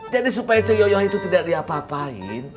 jadi supaya ce yoyo itu tidak diapa apain